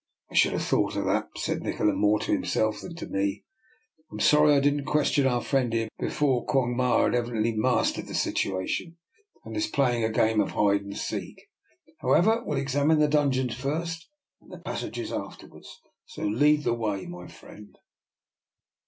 I should have thought of that," said Nikola, more to himself than to me. I am sorry I didn't question our friend here before. Quong Ma has evidently mastered the situa DR. NIKOLA'S EXPERIMENT. 251 tion, and is playing a game of hide and seek. However, we'll examine the dungeons first, and the passages afterwards. So lead the way, my friend."